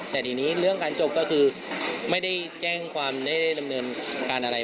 แต่ทีนี้เรื่องการจบก็คือไม่ได้แจ้งความได้ดำเนินการอะไร